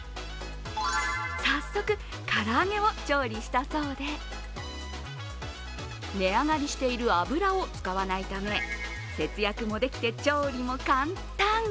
早速、唐揚げを調理したそうで値上がりしている油を使わないため、節約もできて調理も簡単。